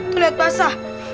tuh liat basah